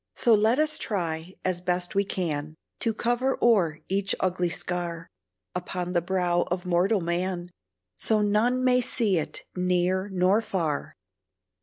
So let us try, as best we can, To cover o'er each ugly scar Upon the brow of mortal man, So none may see it, near nor far.